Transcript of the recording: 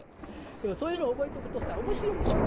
でもそういうの覚えとくとさ面白いでしょ。